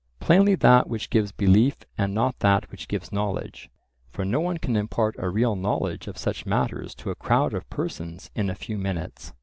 Plainly that which gives belief and not that which gives knowledge; for no one can impart a real knowledge of such matters to a crowd of persons in a few minutes.